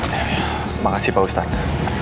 terima kasih pak ustadz